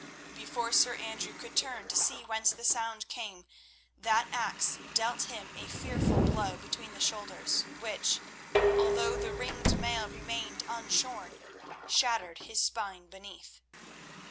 Before Sir Andrew could turn to see whence the sound came, that axe dealt him a fearful blow between the shoulders which, although the ringed mail remained unshorn, shattered his spine beneath.